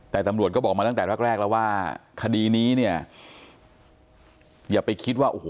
แต่ตำรวจก็บอกมาตั้งแต่แรกแรกแล้วว่าคดีนี้เนี่ยอย่าไปคิดว่าโอ้โห